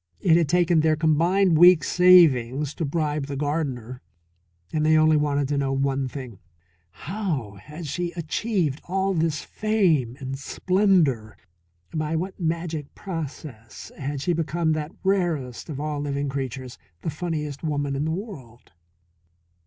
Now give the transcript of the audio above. It had taken their combined week's savings to bribe the gardener. And they only wanted to know one thing: How had she achieved all this fame and splendour, by what magic process had she become that rarest of all living creatures, the funniest woman in the world?